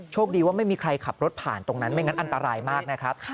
ดีว่าไม่มีใครขับรถผ่านตรงนั้นไม่งั้นอันตรายมากนะครับ